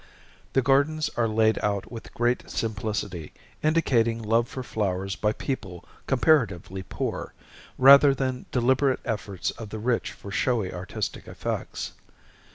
The gardens are laid out with great simplicity, indicating love for flowers by people comparatively poor, rather than deliberate efforts of the rich for showy artistic effects.